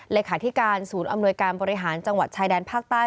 เลขาธิการศูนย์อำนวยการบริหารจังหวัดชายแดนภาคใต้